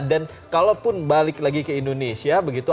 dan kalaupun balik lagi ke indonesia begitu